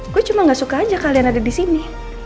gue cuma gak suka aja kalian ada di sini